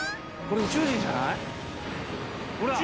これ宇宙人じゃない？ほら！